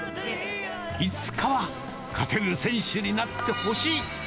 いつかは勝てる選手になってほしい。